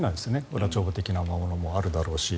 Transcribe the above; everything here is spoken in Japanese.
裏帳簿的なものもあるだろうし。